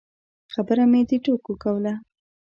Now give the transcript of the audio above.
خبره مې د ټوکو کوله.